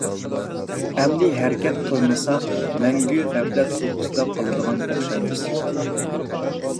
ئەمدى ھەرىكەت قىلمىساق، مەڭگۈ غەپلەت ئۇيقۇسىدا قالىدىغان ئوخشايمىز!